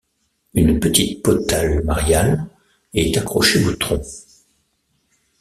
Une petite potale mariale est accrochée au tronc.